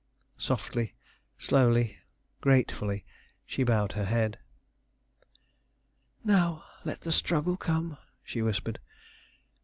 Softly, slowly, gratefully, she bowed her head. "Now let the struggle come!" she whispered.